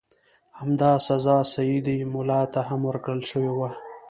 همدا سزا سیدي مولا ته هم ورکړل شوې وه.